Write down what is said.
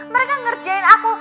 mereka ngerjain aku